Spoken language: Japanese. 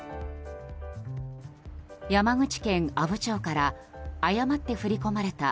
山口県阿武町から誤って振り込まれた